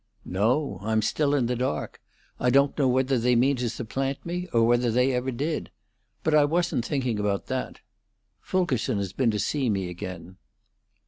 "No; I'm still in the dark. I don't know whether they mean to supplant me, or whether they ever did. But I wasn't thinking about that. Fulkerson has been to see me again."